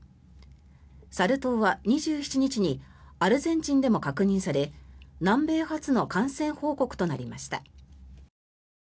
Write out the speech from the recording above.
サル痘は２７日にアルゼンチンでも確認され南米初の感染報告となりました。